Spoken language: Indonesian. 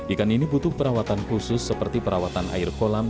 ikan ini butuh perawatan khusus seperti perawatan air kolam